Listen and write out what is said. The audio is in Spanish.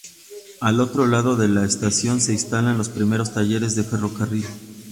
Al otro lado de la estación se instalan los primeros talleres del ferrocarril.